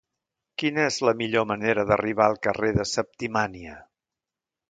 Quina és la millor manera d'arribar al carrer de Septimània?